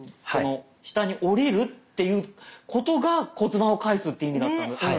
この下に下りるっていうことが骨盤をかえすって意味だったんだと。